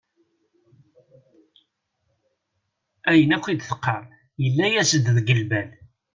Ayen akk i d-teqqar yella-as-d deg lbal.